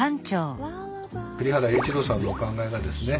栗原榮一朗さんのお考えがですね